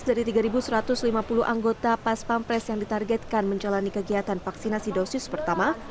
dari tiga satu ratus lima puluh anggota pas pampres yang ditargetkan menjalani kegiatan vaksinasi dosis pertama